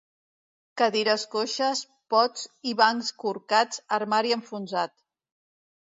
Cadires coixes, pots i bancs corcats, armari enfonsat.